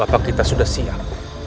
apa kita sudah siap